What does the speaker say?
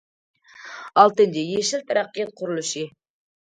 ئالتىنچى، يېشىل تەرەققىيات قۇرۇلۇشى.